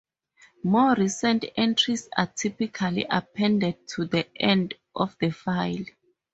More recent entries are typically appended to the end of the file.